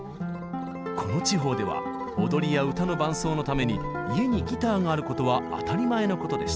この地方では踊りや歌の伴奏のために家にギターがあることは当たり前のことでした。